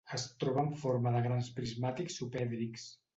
Es troba en forma de grans prismàtics subèdrics.